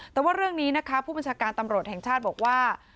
แต่ว่าเรื่องนี้นะคะผู้บัญชาการตำรวจแห่งชาติบอกว่า